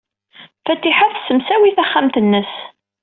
Fatiḥa tessemsawi taxxamt-nnes.